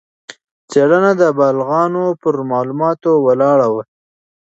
څېړنه د بالغانو پر معلوماتو ولاړه وه.